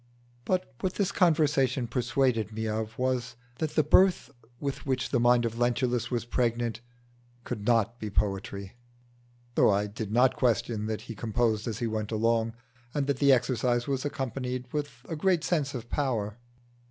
But what this conversation persuaded me of was, that the birth with which the mind of Lentulus was pregnant could not be poetry, though I did not question that he composed as he went along, and that the exercise was accompanied with a great sense of power.